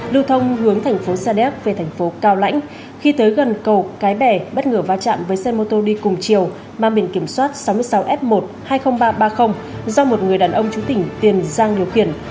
lưu thông hướng thành phố sa đéc về thành phố cao lãnh khi tới gần cầu cái bè bất ngờ va chạm với xe mô tô đi cùng chiều mang biển kiểm soát sáu mươi sáu f một hai mươi nghìn ba trăm ba mươi do một người đàn ông chú tỉnh tiền giang điều khiển